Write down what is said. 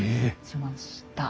しました。